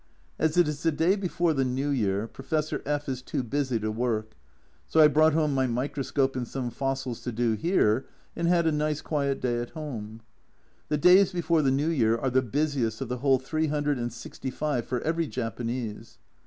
As it is the day before the New Year, Professor F is too busy to work, so I brought home my microscope and some fossils to do here, and had a nice quiet day at home. The days before the New Year are the busiest of the whole three hundred and sixty five for every Japanese.